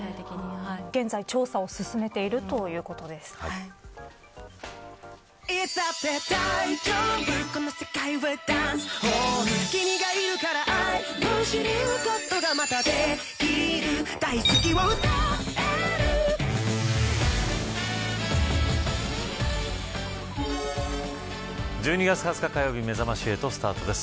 現在調査を進めているということです。